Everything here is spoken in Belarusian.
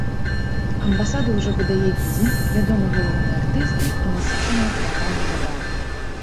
Амбасада ўжо выдае візы, вядомы галоўныя артысты і насычаная праграма забаў.